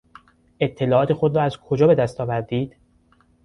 اطلاعات خود را از کجا به دست آوردید؟